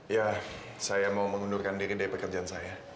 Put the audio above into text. ya saya mau mengundurkan diri dari pekerjaan saya